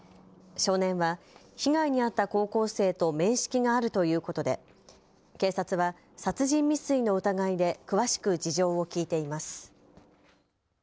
少年は被害に遭った高校生と面識があるということで警察は殺人未遂の疑いで詳しく事情を聴いています。